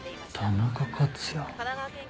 田中克也。